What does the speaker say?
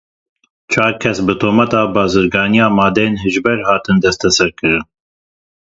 Çar kes bi tometa bazirganiya madeyên hişbir hatin desteserkirin.